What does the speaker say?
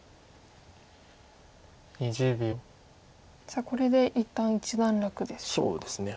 じゃあこれで一旦一段落でしょうか。